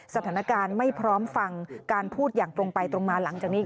สถานการณ์ไม่พร้อมฟังการพูดอย่างตรงไปตรงมาหลังจากนี้